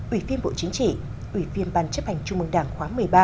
ủy viên bộ chính trị ủy viên ban chấp hành trung mương đảng khóa một mươi ba